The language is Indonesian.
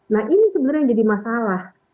nah ini sebenarnya yang jadi masalah